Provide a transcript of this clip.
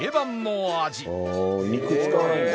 あ肉使わないんだ。